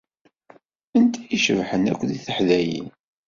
Anta i icebḥen akk deg teḥdayin?